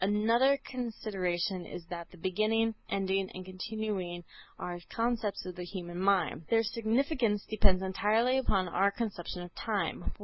Another consideration is that the beginning, ending and continuing are conceptions of the human mind; their significance depends entirely upon our conception of time.